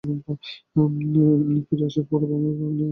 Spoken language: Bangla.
ফিরে আসার পর আমি ভাবিনি আমাদের আর যোগাযোগ হবে।